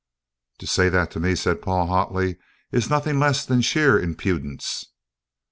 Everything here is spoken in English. "To say that to me," said Paul hotly, "is nothing less than sheer impudence."